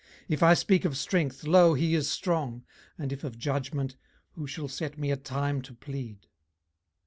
18:009:019 If I speak of strength, lo, he is strong: and if of judgment, who shall set me a time to plead?